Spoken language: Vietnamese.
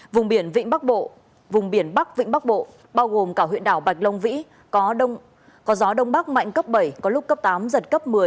vùng biển bắc vĩ bắc bộ bao gồm cả huyện đảo bạch long vĩ có gió đông bắc mạnh cấp bảy có lúc cấp tám giật cấp một mươi